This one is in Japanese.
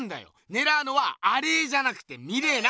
ねらうのはアレーじゃなくてミレーな。